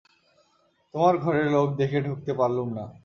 তোমার ঘরে লোক দেখে ঢুকতে পারলুম না।